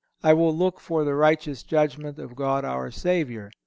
I will look for the righteous judgment of our God and Savior.